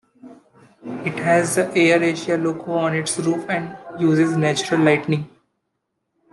It has the AirAsia logo on its roof and uses natural lighting.